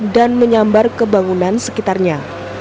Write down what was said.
dan menyambar kebangunan sekitarnya